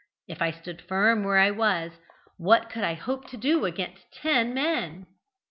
If I stood firm where I was, what could I hope to do against ten men?